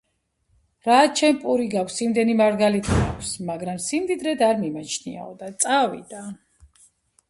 რაც შენ პური გაქვს, იმდენი მარგალიტი მაქვს, მაგრამ სიმდიდრედ არ მიმაჩნიაო, და წავიდა.